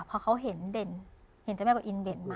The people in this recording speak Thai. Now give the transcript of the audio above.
พอเขาเห็นเด่นเห็นเจ้าแม่ก็อินเด่นมา